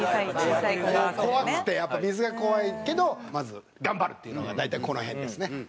怖くてやっぱ水が怖いけどまず頑張るっていうのが大体この辺ですね。